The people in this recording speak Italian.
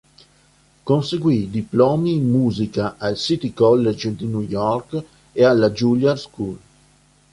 Conseguì diplomi in musica al City College di New York e alla Juilliard School.